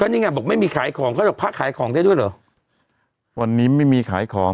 นี่ไงบอกไม่มีขายของเขาหรอกพระขายของได้ด้วยเหรอวันนี้ไม่มีขายของ